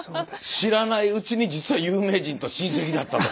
知らないうちに実は有名人と親戚だったと。